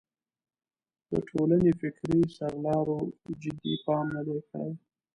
د ټولنې فکري سرلارو جدي پام نه دی کړی.